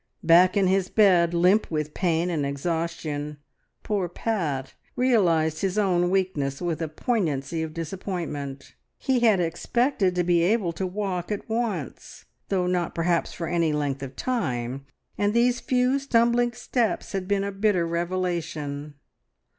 Back in his bed, limp with pain and exhaustion, poor Pat realised his own weakness with a poignancy of disappointment. He had expected to be able to walk at once, though not perhaps for any length of time, and these few stumbling steps had been a bitter revelation.